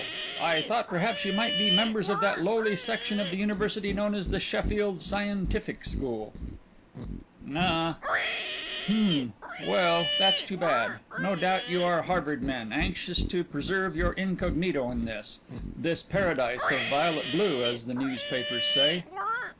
I thought perhaps you might be members of that lowly section of the university known as the Sheffield Scientific School." "Na ah." "Hm. Well, that's too bad. No doubt you are Harvard men, anxious to preserve your incognito in this this paradise of violet blue, as the newspapers say."